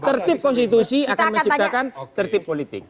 tertib konstitusi akan menciptakan tertib politik